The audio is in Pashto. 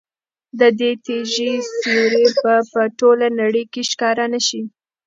د دې تیږې سیوری به په ټوله نړۍ کې ښکاره نه شي.